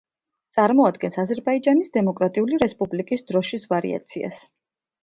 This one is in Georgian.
წარმოადგენს აზერბაიჯანის დემოკრატიული რესპუბლიკის დროშის ვარიაციას.